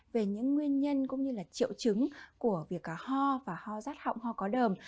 về những nguyên nhân cũng như là triệu chứng của việc hò và hò rát họng hò có đờm